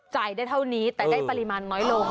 ได้เท่านี้แต่ได้ปริมาณน้อยลง